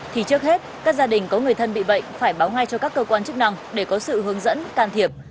thì trước hết các gia đình có người thân bị bệnh phải báo ngay cho các cơ quan chức năng để có sự hướng dẫn can thiệp